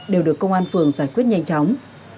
đều được công an phường giải quyết nhanh chóng